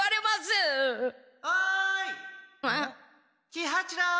喜八郎！